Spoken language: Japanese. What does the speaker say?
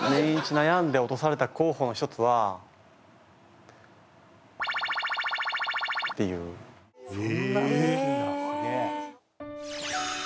悩んで落とされた候補の一つはていうへえ！